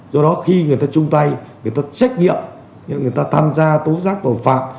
do đó khi người ta chung tay người ta trách nhiệm người ta tham gia tố giác tội phạm